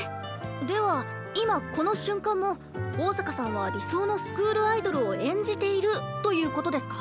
では今この瞬間も桜坂さんは理想のスクールアイドルを演じているということですか？